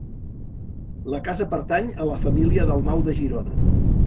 La casa pertany a la família Dalmau de Girona.